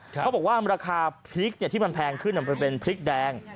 เขาบอกว่าราคาพริกที่มันแพงขึ้นมันเป็นพริกแดง